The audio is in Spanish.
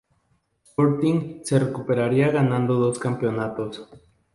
Sporting se recuperaría ganando dos campeonatos.